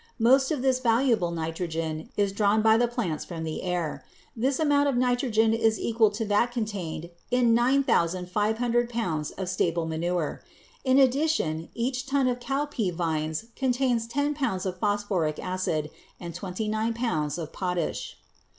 Most of this valuable nitrogen is drawn by the plants from the air. This amount of nitrogen is equal to that contained in 9500 pounds of stable manure. In addition each ton of cowpea vines contains ten pounds of phosphoric acid and twenty nine pounds of potash.